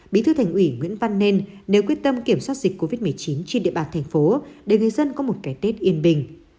bí thư thành ủy nguyễn văn nên nếu quyết tâm kiểm soát dịch covid một mươi chín trên địa bàn thành phố để người dân có một cái tết yên bình